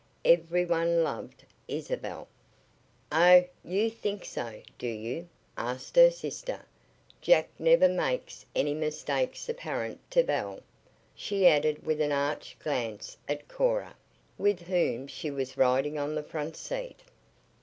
Every one loved Isabel. "Oh, you think so, do you?" asked her sister. "Jack never makes any mistakes apparent to Belle," she added with an arch glance at Cora, with whom she was riding on the front seat.